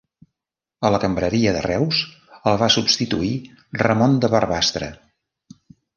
A la cambreria de Reus el va substituir Ramon de Barbastre.